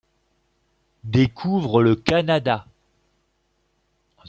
Découvre le Canada.